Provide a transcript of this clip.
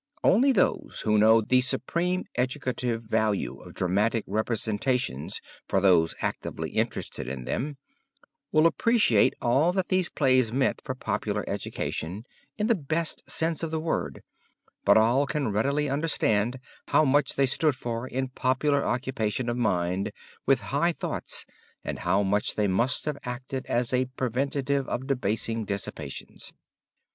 Only those who know the supreme educative value of dramatic representations for those actively interested in them, will appreciate all that these plays meant for popular education in the best sense of the word, but all can readily understand how much they stood for in popular occupation of mind with high thoughts and how much they must have acted as a preventive of debasing dissipations.